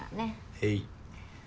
へい。